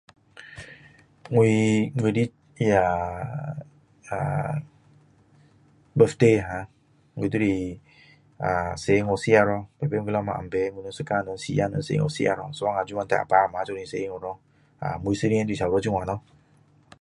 我我的那个 birthday 呀我就是出去吃咯每次老婆安排出去吃一家人四个出去吃咯有时候带啊爸啊妈一起出去咯每一年都是这样咯